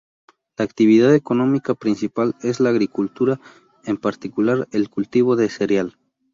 La actividad económica principal es la agricultura, en particular el cultivo de cereal.